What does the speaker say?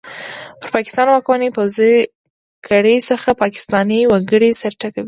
پر پاکستان واکمنې پوځي کړۍ څخه پاکستاني وګړي سر ټکوي!